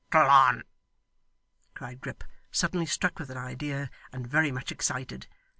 ' tle on,' cried Grip, suddenly struck with an idea and very much excited.